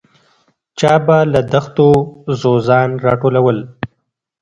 چا به له دښتو ځوځان راټولول.